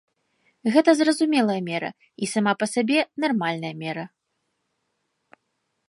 Гэта зразумелая мера, і сама па сабе нармальная мера.